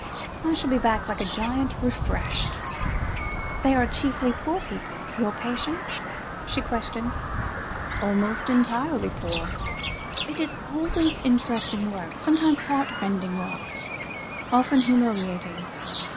I shall go back like a giant refreshed." "They are chiefly poor people, your patients?" she questioned. "Almost entirely poor. It is always interesting work, sometimes heartrending work, often humiliating.